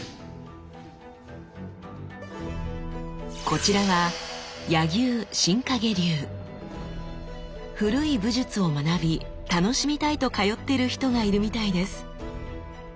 こちらは古い武術を学び楽しみたいと通ってる人がいるみたいです。